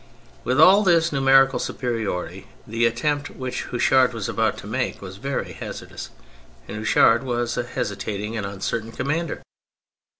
With all his numerical superiority the attempt which Houchard was about to make was very hazardous : and Houchard was a hesitating and uncertain commander.